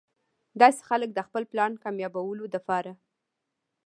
داسې خلک د خپل پلان کاميابولو د پاره